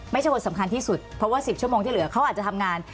ไม่ใช่คนสำคัญที่สุดเพราะว่า๑๐ชั่วโมงที่เหลือเขาอาจจะทำงาน